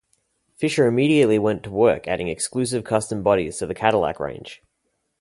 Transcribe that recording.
Fisher immediately went to work adding exclusive, custom bodies to the Cadillac range.